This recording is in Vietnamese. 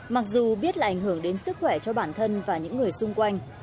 mặc dù biết là ảnh hưởng đến sức khỏe cho bản thân và những người xung quanh